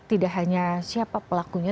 tidak hanya siapa pelakunya